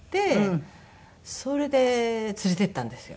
それで連れて行ったんですよ。